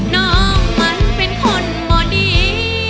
น้องมันเป็นคนบ่ดี